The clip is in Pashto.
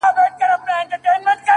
ژه دې اور لکه سکروټې د قلم سه گراني!!